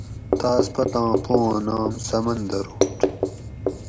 تاس پتاں پوآں نام سمندروٹ